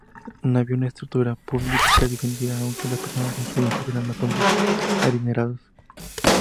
No había una estructura política definida aunque las personas influyentes eran los hombres adinerados.